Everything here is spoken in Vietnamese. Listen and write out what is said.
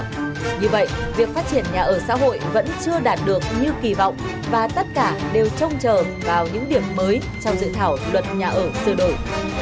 như vậy việc phát triển nhà ở xã hội vẫn chưa đạt được như kỳ vọng và tất cả đều trông chờ vào những điểm mới trong dự thảo luật nhà ở sơ đổi